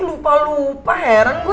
lupa lupa heran gue